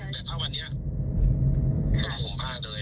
แต่ถ้าวันนี้ย้อนผมพ่าเลย